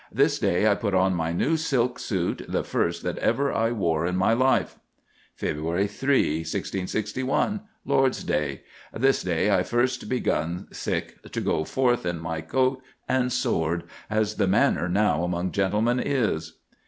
This day I put on my new silk suit, the first that ever I wore in my life." "Feb. 3, 1661, (Lord's Day). This day I first begun to go forth in my coat and sword, as the manner now among gentlemen is."